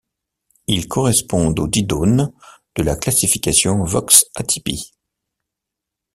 Ils correspondent aux didones de la classification Vox-Atypi.